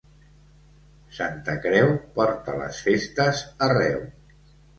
Santa Creu porta les festes arreu.